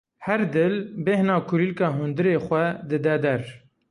Her dil, bêhna kulîlka hundirê xwe dide der.